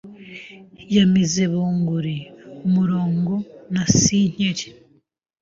Yamize bunguri, umurongo na sinkeri.